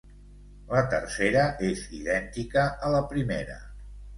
La tercera és idèntica a la primera.